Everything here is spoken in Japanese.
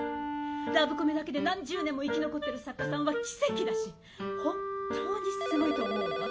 ラブコメだけで何十年も生き残ってる作家さんは奇跡だし本当に凄いと思うわ。